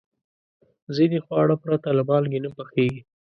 ځینې خواړه پرته له مالګې نه پخېږي.